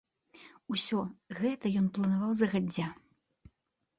Усё гэта ён планаваў загадзя.